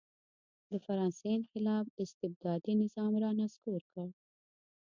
د فرانسې انقلاب استبدادي نظام را نسکور کړ.